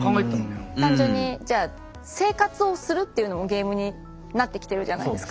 単純にじゃあ生活をするっていうのもゲームになってきてるじゃないですか。